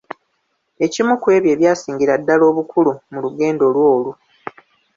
Ekimu ku ebyo ebyasingira ddala obukulu mu lugendo lwe olwo.